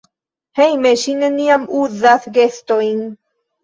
Hejme ŝi neniam uzas gestojn.